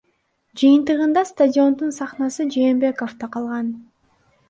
Жыйынтыгында стадиондун сахнасы Жээнбековдо калган.